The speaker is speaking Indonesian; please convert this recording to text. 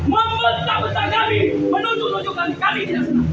membentak bentak kami menuntut menunjukkan kami tidak senang